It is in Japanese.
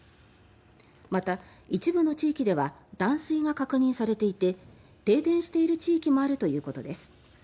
また、一部の地域では断水が確認されていて停電している地域もあるということです。